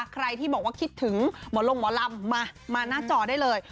ใครที่บอกว่าคิดถึงหมอลงหมอลำมามาหน้าจอได้เลย